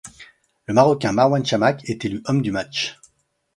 Le Marocain Marouane Chamakh est élu homme du match.